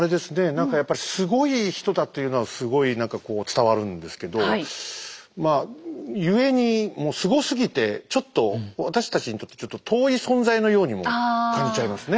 何かやっぱりすごい人だっていうのはすごい何かこう伝わるんですけどまあゆえにもうすごすぎてちょっと私たちにとってちょっと遠い存在のようにも感じちゃいますね。